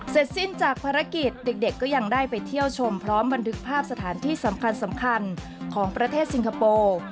เสร็จสิ้นจากภารกิจเด็กก็ยังได้ไปเที่ยวชมพร้อมบันทึกภาพสถานที่สำคัญของประเทศสิงคโปร์